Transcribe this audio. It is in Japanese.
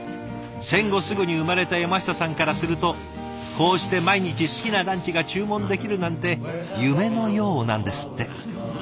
戦後すぐに生まれた山下さんからするとこうして毎日好きなランチが注文できるなんて夢のようなんですって。